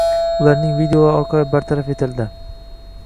Ularning videolari orqali bartaraf etildi.